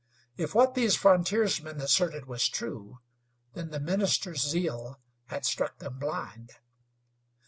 If what these frontiersmen asserted was true, then the ministers' zeal had struck them blind.